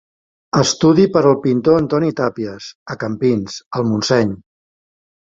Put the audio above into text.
Estudi per al pintor Antoni Tàpies, a Campins, al Montseny.